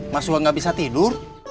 masua gak bisa tidur